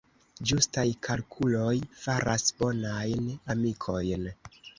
Ĝustaj kalkuloj faras bonajn amikojn.